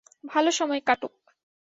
ভালো সময় কাটুক!